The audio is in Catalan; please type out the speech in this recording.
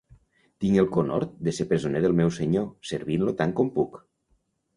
Tinc el conhort de ser presoner pel meu senyor, servint-lo tant com puc.